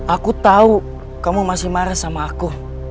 aku tahu kamu masih marah sama aku